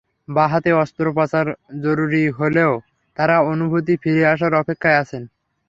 বাঁ হাতে অস্ত্রোপচার জরুরি হলেও তাঁরা অনুভূতি ফিরে আসার অপেক্ষায় আছেন।